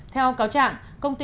theo cáo trạng